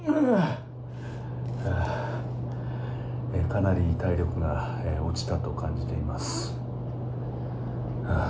かなり体力が落ちたと感じています。